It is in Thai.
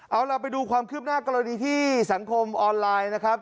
เอาล่ะไปดูความคืบหน้ากรณีที่สังคมออนไลน์นะครับ